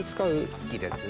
好きです。